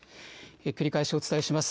繰り返しお伝えします。